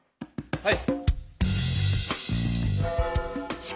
はい。